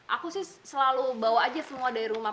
aku sih selalu bawa aja semua dari rumah